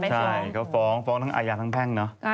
ใช่ก็ฟ้องฟ้องทั้งอาญาทั้งแพ่งเนอะ